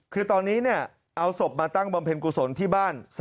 คือตอนนี้เอาศพมาตั้งบำเพ็ญกุศลที่บ้าน